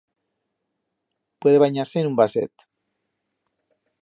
Puede banyar-se en un vaset.